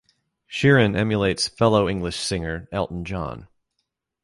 Sheeran emulates fellow English singer Elton John.